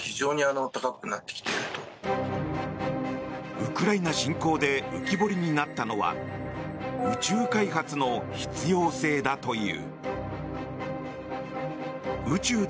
ウクライナ侵攻で浮き彫りになったのは宇宙開発の必要性だという。